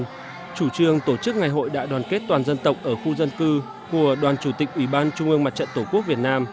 trong đó chủ trương tổ chức ngày hội đại đoàn kết toàn dân tộc ở khu dân cư của đoàn chủ tịch ủy ban trung ương mặt trận tổ quốc việt nam